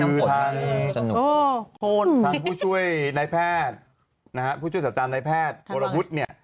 คือทางผู้ช่วยนายแพทย์นะฮะผู้ช่วยศาสตราจารย์นายแพทย์วรวุฒิเนี่ย